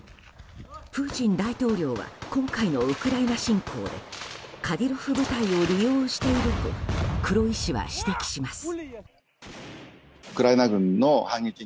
プーチン大統領は今回のウクライナ侵攻でカディロフ部隊を利用していると黒井氏は指摘します。